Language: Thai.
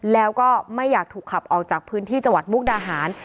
แล้วก็ไม่อยากถูกขับออกจากพื้นที่จังหวัดมุกดาหาร